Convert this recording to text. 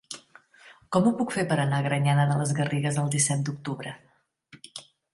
Com ho puc fer per anar a Granyena de les Garrigues el disset d'octubre?